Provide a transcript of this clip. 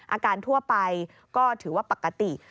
อาการทั่วไปก็ถือว่าปกติ